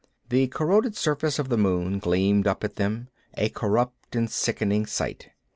The corroded surface of the moon gleamed up at them, a corrupt and sickening sight.